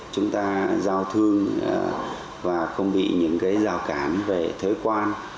chúng ta giao thương và không bị những giao cản về thuế quan